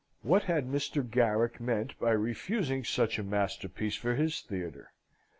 What had Mr. Garrick meant by refusing such a masterpiece for his theatre?